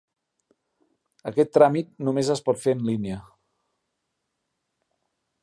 Aquest tràmit només es pot fer en línia.